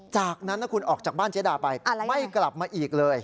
จากนั้นนะคุณออกจากบ้านเจ๊ดาไปไม่กลับมาอีกเลย